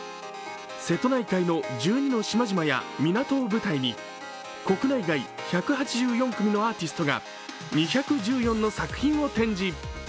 瀬戸内海の１２の島々や港を舞台に国内外１８４組のアーティストが２１４の作品を展示。